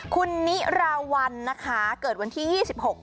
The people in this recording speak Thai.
คุณนิราวัลนะคะเกิดวันที่๒๖